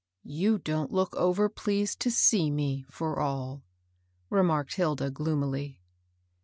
You don't look over pleased to see me, for all,'* remarked Hilda, gloomily.